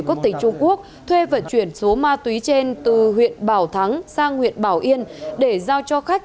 quốc tịch trung quốc thuê vận chuyển số ma túy trên từ huyện bảo thắng sang huyện bảo yên để giao cho khách